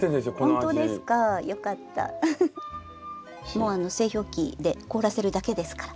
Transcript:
もう製氷機で凍らせるだけですから。